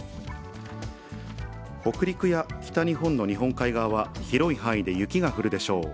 北陸や北日本の日本海側は、広い範囲で雪が降るでしょう。